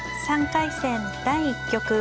３回戦第１局。